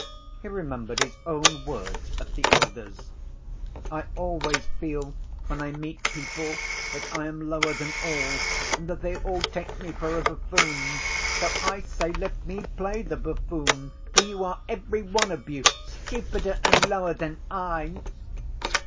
He remembered his own words at the elder's: "I always feel when I meet people that I am lower than all, and that they all take me for a buffoon; so I say let me play the buffoon, for you are, every one of you, stupider and lower than I."